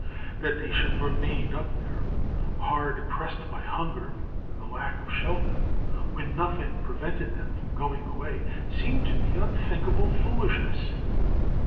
That they should remain up there, hard pressed by hunger and the lack of shelter, when nothing prevented them from going away, seemed to me unthinkable foolishness.